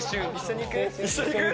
一緒にいく？